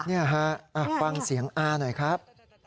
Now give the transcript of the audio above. นี่ฮะฟังเสียงอาหน่อยครับ